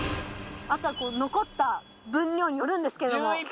あとは残った分量によるんですけれども。